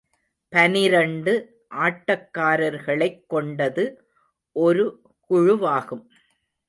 பனிரண்டு ஆட்டக்காரர்களைக் கொண்டது ஒரு குழுவாகும்.